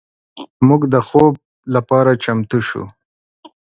موږ د خوب لپاره چمتو شو.